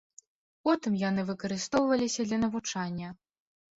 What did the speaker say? Потым яны выкарыстоўваліся для навучання.